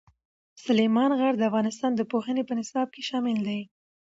سلیمان غر د افغانستان د پوهنې په نصاب کې شامل دی.